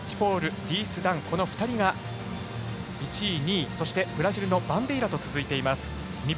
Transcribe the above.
イギリスのキャッチポールらこの２人が１位、２位そして、ブラジルのバンデイラと続いています。